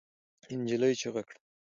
نجلۍ چیغه کړه.